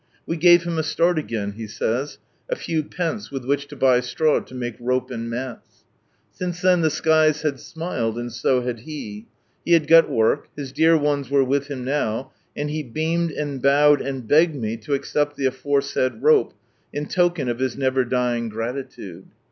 We gave him a start again, he says. (A few pence with which to buy straw to make rope and mats.) Since then the skies had smiled, and so had he. He had got work, his dear ones were with him now, and he beamed, and bowed, and begged me to accept the aforesaid Rope, in token of his never dying gratitude.